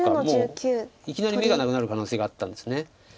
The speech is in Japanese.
もういきなり眼がなくなる可能性があったんです。